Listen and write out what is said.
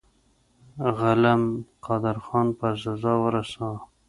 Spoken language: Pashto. غلم قادرخان په سزا ورساوه.